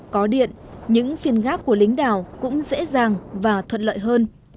có điện những phiên gác của lính đảo cũng dễ dàng và thuận lợi hơn